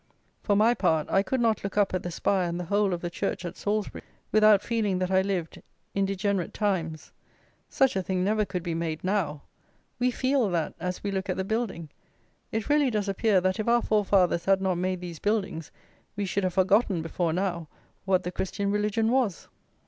For my part, I could not look up at the spire and the whole of the church at Salisbury, without feeling that I lived in degenerate times. Such a thing never could be made now. We feel that as we look at the building. It really does appear that if our forefathers had not made these buildings, we should have forgotten, before now, what the Christian religion was!